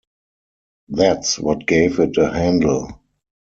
That's what gave it a handle.